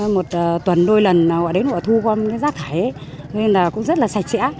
một tuần đôi lần họ đến họ thu gom rác thải nên là cũng rất là sạch sẽ